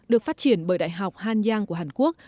được phát triển bởi đại học hàn giang của hàn quốc